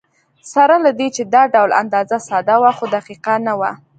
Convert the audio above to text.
سره له دې چې دا ډول اندازه ساده وه، خو دقیقه نه وه.